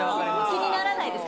気にならないですか？